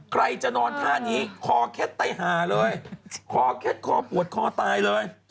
ใครจะนอนท่านี้คอเคล็ดไตหาเลยคอเคล็ดคอปวดคอตายเลย